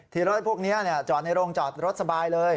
ที่รถพวกนี้จอดในโรงจอดรถสบายเลย